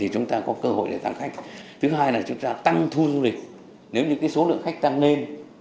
chúng ta có cơ hội tăng khách tăng thu du lịch nếu số lượng khách tăng lên